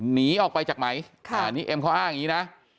หนีออกไปจากไหมอ่านี่เอ็มเขาอ้างงี้นะ